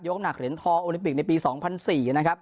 ยกอำนาจเหล็นท้อโอลิปิกในปี๒๐๐๔นะครับ